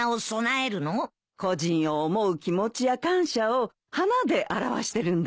故人を思う気持ちや感謝を花で表してるんだよ。